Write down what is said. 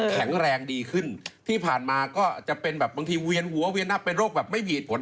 แข็งแรงดีขึ้นที่ผ่านมาก็จะเป็นแบบบางทีเวียนหัวเวียนนับเป็นโรคแบบไม่มีเหตุผล